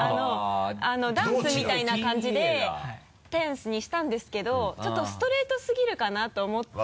ダンスみたいな感じで「ｔａｎｃｅ」にしたんですけどちょっとストレートすぎるかなと思って。